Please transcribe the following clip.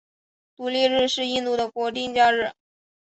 独立日是印度的国定假日。